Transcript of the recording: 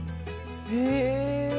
へえ。